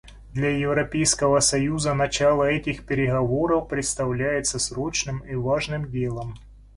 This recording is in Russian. Для Европейского союза начало этих переговоров представляется срочным и важным делом.